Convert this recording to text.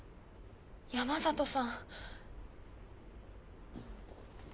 山里さん。